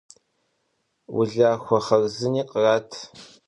Улахуэ хъарзыни кърат.